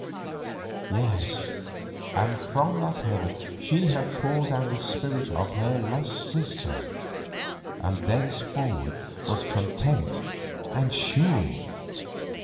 Yes, and from that heaven she had called down the spirit of her lost sister, and thenceforward was content and sure.